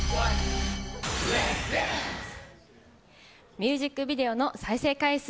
ミュージックビデオの再生回数